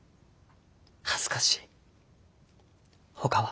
恥ずかしいほかは？